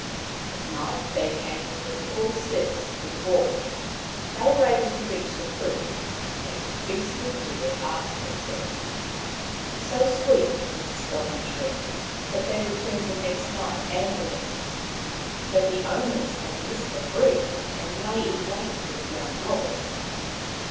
At night they came on their tall stilts to the wall. They were able to reach the fruit. They feasted to their heart's content. So sweet was their stolen treat that they re turned the next night and the next. But the owners had missed the fruit and lay in wait for the young robbers.